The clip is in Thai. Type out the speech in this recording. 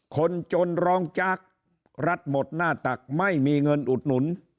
คนจนร้องจากรัฐหมดหน้าตักไม่มีเงินอุดหนุน